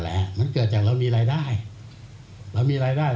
เรื่องภาษีนี่นะครับ